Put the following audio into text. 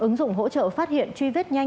ứng dụng hỗ trợ phát hiện truy vết nhanh